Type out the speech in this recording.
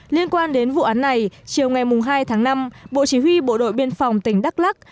liên quan đến vụ án này chiều ngày hai tháng năm bộ chỉ huy bộ đội biên phòng tỉnh đắk lắc